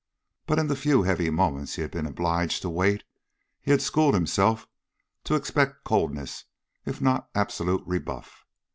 But in the few heavy moments he had been obliged to wait, he had schooled himself to expect coldness if not absolute rebuff.